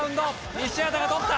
西畑が取った。